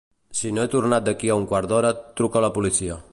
Si no he tornat d'aquí a un quart d'hora, truca a la policia.